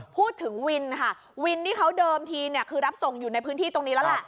พูดถึงวินค่ะวินที่เขาเดิมทีเนี่ยคือรับส่งอยู่ในพื้นที่ตรงนี้แล้วแหละ